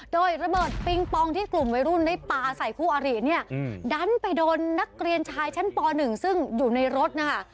โดยระเบิดปิงปองที่กลุ่มวัยรุ่นได้ปลาใส่คู่อาริเนี่ยดันไปโดนนักเรียนชายชั้นป๑ซึ่งอยู่ในรถนะคะ